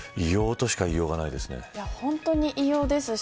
異様としか言いようがないですね。